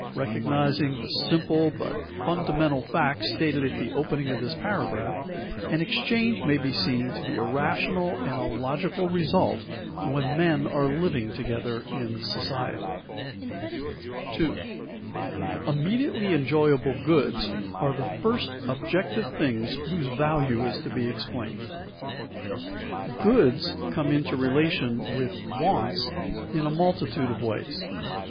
Recognizing the simple but fundamental fact stated at the opening of this paragraph, an exchange may be seen to be a rational and a logical result when men are living together in society. [Sidenote: Ripe and unripe goods] 2. Immediately enjoyable goods are the first objective things whose value is to be explained. Goods come into relation with wants in a multitude of ways.